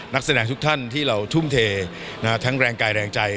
นักแสดงทุกท่านที่เราทุ่มเททั้งแรงกายแรงใจ